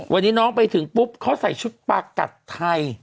วันนี้น้องไปถึงปุ๊บเขาใส่ชุดปากัดไทย